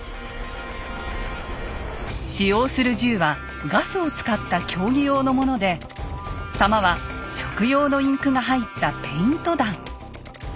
使用する銃はガスを使った競技用のもので弾は食用のインクが入ったペイント弾。